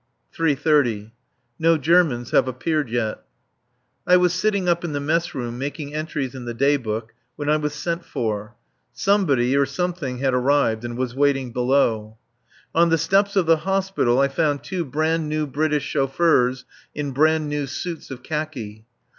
[3.30.] No Germans have appeared yet. I was sitting up in the mess room, making entries in the Day Book, when I was sent for. Somebody or something had arrived, and was waiting below. On the steps of the Hospital I found two brand new British chauffeurs in brand new suits of khaki.